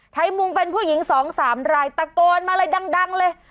ไทยมุงเป็นผู้หญิง๒๓รายตะโกนมาเลยดังเลย